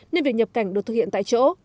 nên việc nhập cảnh được thực hiện tại chỗ